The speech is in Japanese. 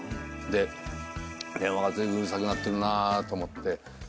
電話がうるさく鳴ってるなと思って。